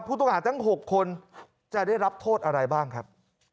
ผู้ต้องหาทั้ง๖คนจะได้รับโทษอะไรบ้างครับ